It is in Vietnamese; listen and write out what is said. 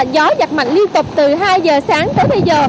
gió giật mạnh liên tục từ hai giờ sáng tới bây giờ